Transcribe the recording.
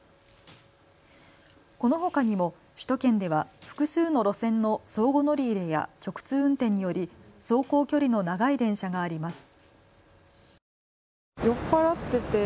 このほかにも首都圏では複数の路線の相互乗り入れや直通運転により走行距離の長い電車があります。